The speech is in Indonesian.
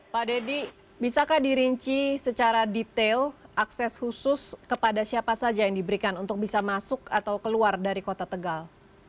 pak deddy bisakah dirinci secara detail akses khusus kepada siapa saja yang diberikan untuk bisa masuk atau keluar dari kota tegal